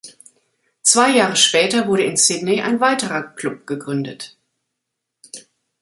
Zwei Jahre später wurde in Sydney ein weiterer Club gegründet.